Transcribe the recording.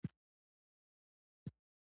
خو دغه بګتۍ نه منظوم کمپوز ته برابره ده.